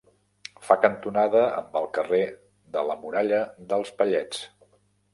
Fa cantonada amb el carrer de la Muralla dels Vellets.